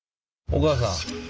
お母さん。